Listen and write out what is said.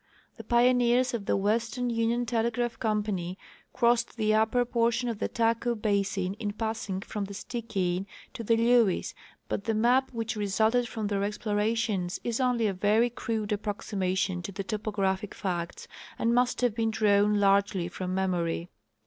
The pioneers of the Western Union TelegrajDh company crossed the upper portion of the Taku basin in passing from the Stikine to the Lewes, but the map which resulted from their explorations is only a very crude approximation to the topo graphic facts, and must have been drawn largely from memorj^.